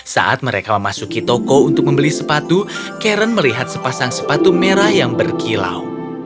saat mereka memasuki toko untuk membeli sepatu karen melihat sepasang sepatu merah yang berkilau